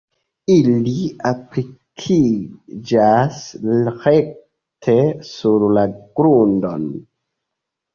Ili aplikiĝas rekte sur la grundon.